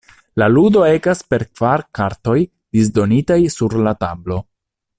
La ludo ekas per kvar kartoj disdonitaj sur la tablo.